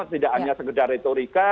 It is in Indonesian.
tidak hanya sekedar retorika